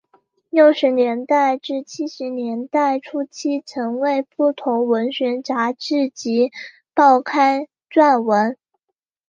六十年代至七十年代初期曾为不同文学杂志及报刊撰文。